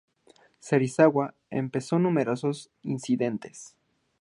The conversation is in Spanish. Serizawa empezó numerosos incidentes.